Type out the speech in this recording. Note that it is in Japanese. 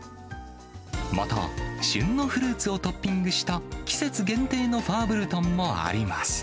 また、旬のフルーツをトッピングした、季節限定のファーブルトンもあります。